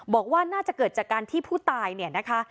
บอกว่าน่าจะเกิดจากการที่ผู้ตายเนี่ยนะคะ